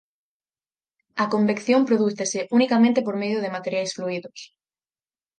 A convección prodúcese unicamente por medio de materiais fluídos.